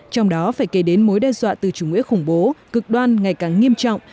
trong đó phải kể đến mối đe dọa từ chủ nghĩa khủng bố cực đoan ngày càng nghiêm trọng